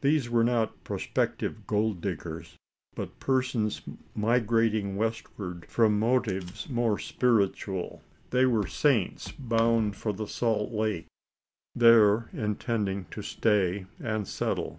These were not prospective gold diggers, but persons migrating westward from motives more spiritual: they were Saints bound for the Salt Lake there intending to stay and settle.